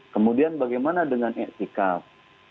kemudian bagaimana dengan ikhtikaf